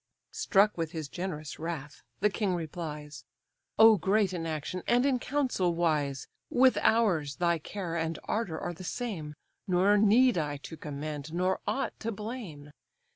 Struck with his generous wrath, the king replies: "O great in action, and in council wise! With ours, thy care and ardour are the same, Nor need I to commend, nor aught to blame.